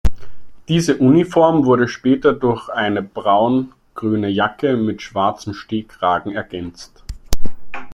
Diese Uniform wurde später durch eine braun-grüne Jacke mit schwarzem Stehkragen ergänzt.